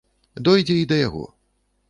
Дойдзе й да яго!